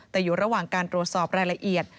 แต่อยู่ระหว่างการตรวจสอบรายละเอียด